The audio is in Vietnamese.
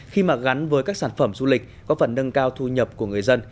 khi mà gắn với các sản phẩm du lịch có phần nâng cao thu nhập của người dân